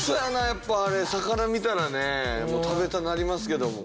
やっぱあれ魚見たらね食べたなりますけども。